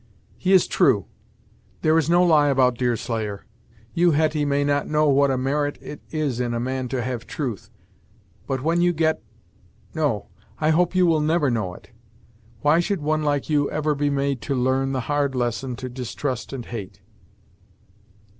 "He is true. There is no lie about Deerslayer. You, Hetty, may not know what a merit it is in a man to have truth, but when you get no I hope you will never know it. Why should one like you be ever made to learn the hard lesson to distrust and hate!"